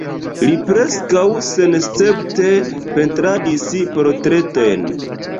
Li preskaŭ senescepte pentradis portretojn.